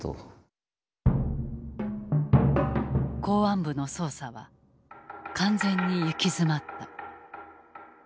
公安部の捜査は完全に行き詰まった。